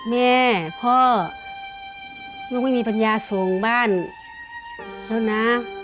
แม่พ่อลูกไม่มีปัญญาส่งบ้านแล้วนะ